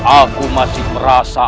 aku masih merasa